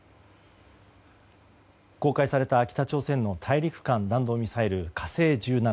公開された北朝鮮の弾道ミサイル「火星１７」。